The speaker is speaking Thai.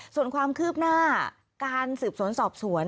ส่วนความคืบหน้าการสืบสวนสอบสวน